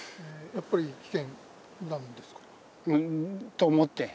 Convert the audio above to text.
やっぱり危険なんですか？と思って。